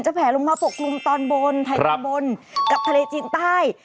แผลลงมาปกกลุ่มตอนบนไทยตอนบนกับทะเลจีนใต้